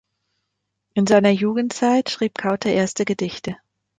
In seiner Jugendzeit schrieb Kauter erste Gedichte.